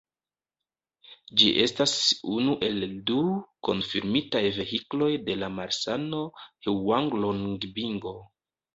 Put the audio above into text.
Ĝi estas unu el du konfirmitaj vehikloj de la malsano hŭanglongbingo.